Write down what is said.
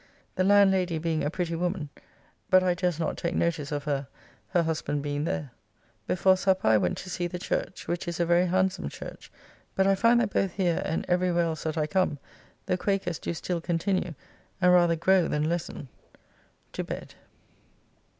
The landlady being a pretty woman, but I durst not take notice of her, her husband being there. Before supper I went to see the church, which is a very handsome church, but I find that both here, and every where else that I come, the Quakers do still continue, and rather grow than lessen. To bed.